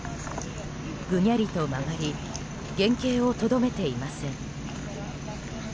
ぐにゃりと曲がり原形をとどめていません。